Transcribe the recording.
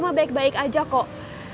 mah baik baik aja kok